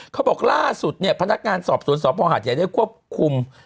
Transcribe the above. เขาบอกล่าสุดพนักงานสอบสวนสอบโรงผ่านจะได้ควบคุม